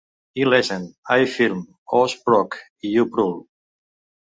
«e-Legende», «i-Film», «o-Sprook» i «u-Prul».